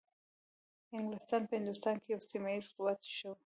انګلیسان په هندوستان کې یو سیمه ایز قوت شو.